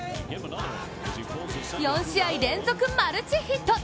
４試合連続のマルチヒット。